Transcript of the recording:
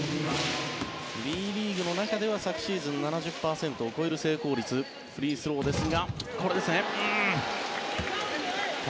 Ｂリーグの中では昨シーズン７０％を超える成功率でした。